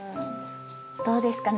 どうですか？